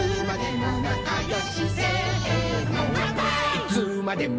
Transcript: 「いつまでも」